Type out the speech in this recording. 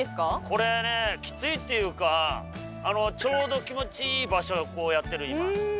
これねきついっていうかちょうど気持ちいい場所をこうやってる今。